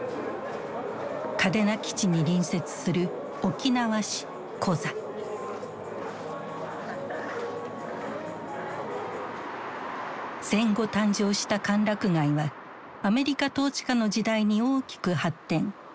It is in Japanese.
嘉手納基地に隣接する戦後誕生した歓楽街はアメリカ統治下の時代に大きく発展。